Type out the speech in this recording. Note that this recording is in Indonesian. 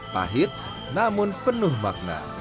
pahit namun penuh makna